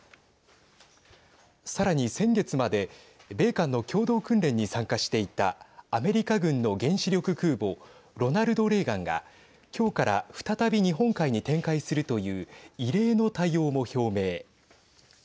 さらに、先月まで米韓の共同訓練に参加していたアメリカ軍の原子力空母ロナルド・レーガンが今日から再び、日本海に展開するという異例の対応も表明。